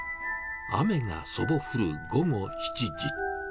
雨がそぼ降る午後７時。